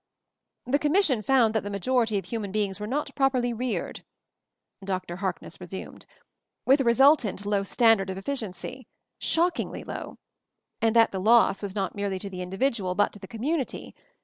"The Commission found that the major ity of human beings were not properly reared," Dr. Harkness resumed, "with a resultant low standard of efficiency — shock ingly low ; and that the loss was not merely to the individual but to the community.